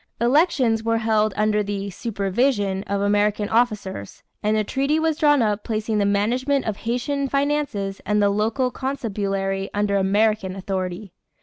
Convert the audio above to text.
Elections were held under the supervision of American officers, and a treaty was drawn up placing the management of Haitian finances and the local constabulary under American authority.